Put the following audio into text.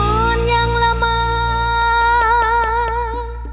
แชมป์สายนี้มันก็น่าจะไม่ไกลมือเราสักเท่าไหร่ค่ะ